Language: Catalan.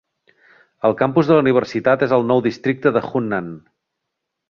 El campus de la universitat és al nou districte de Hunnan.